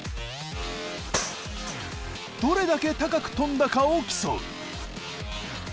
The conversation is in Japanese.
どれだけ高く跳んだかを競う。